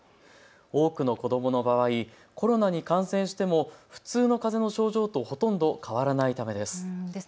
多くの子どもの場合、コロナに感染しても普通のかぜの症状とほとんど変わらないためです。